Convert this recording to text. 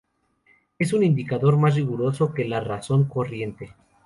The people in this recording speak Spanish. Es un indicador más riguroso que la razón corriente.